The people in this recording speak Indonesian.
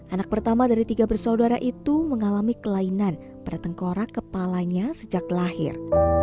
anak pertama dari tiga bersaudara itu mengalami kelainan pada tengkorak kepalanya sejak lahir